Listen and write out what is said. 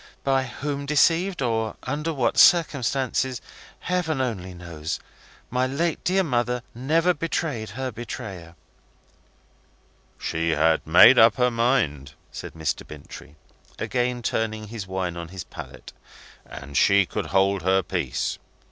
By whom deceived, or under what circumstances, Heaven only knows. My late dear mother never betrayed her betrayer." "She had made up her mind," said Mr. Bintrey, again turning his wine on his palate, "and she could hold her peace."